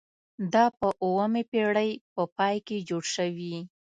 دا په اوومې پیړۍ په پای کې جوړ شوي.